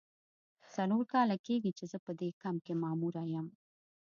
څلور کاله کیږي چې زه په دې کمپ کې ماموره یم.